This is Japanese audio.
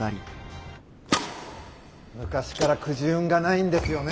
昔からくじ運がないんですよね。